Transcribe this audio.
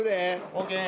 ＯＫ。